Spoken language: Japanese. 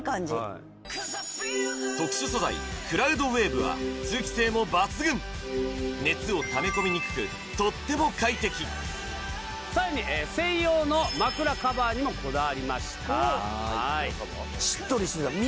特殊素材クラウドウェーブは通気性も抜群熱をためこみにくくとっても快適さらに専用の枕カバーにもこだわりました